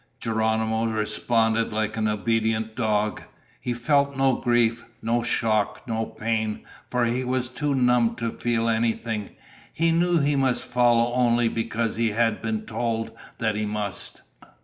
Geronimo responded like an obedient dog. He felt no grief, no shock, no pain, for he was too numbed to feel anything. He knew he must follow only because he had been told that he must.